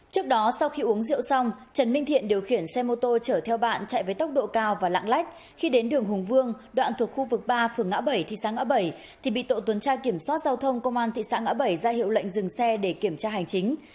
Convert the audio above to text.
trước đó sau khi uống rượu xong trần minh thiện điều khiển xe mô tô chở theo bạn chạy với tốc độ cao và lãng lách khi đến đường hùng vương đoạn thuộc khu vực ba phường ngã bảy thị sáng ngã bảy thì bị tổ tuần tra kiểm soát giao thông công an thị xã ngã bảy ra hiệu lệnh dừng xe để kiểm tra hành chính